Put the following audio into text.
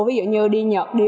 ví dụ như đi nhật đi u s